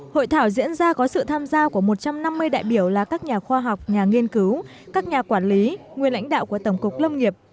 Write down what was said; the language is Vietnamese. hội thảo diễn ra có sự tham gia của một trăm năm mươi đại biểu là các nhà khoa học nhà nghiên cứu các nhà quản lý nguyên lãnh đạo của tổng cục lâm nghiệp